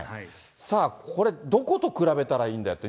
さあ、これ、どこと比べたらいいんだって。